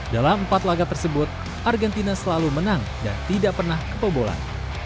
dalam empat laga tersebut argentina selalu menang dan tidak pernah kebobolan